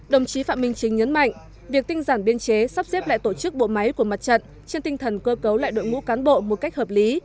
đồng chí phạm minh chính nhấn mạnh việc tinh giản biên chế sắp xếp lại tổ chức bộ máy của mặt trận trên tinh thần cơ cấu lại đội ngũ cán bộ một cách hợp lý